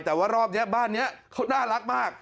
แต่ว่ารอบนี้บ้านนี้เขาน่ารักมาก